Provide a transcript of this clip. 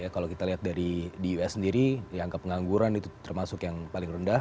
kalau kita lihat dari di us sendiri yang ke pengangguran itu termasuk yang paling rendah